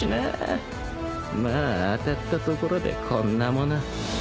まあ当たったところでこんなもの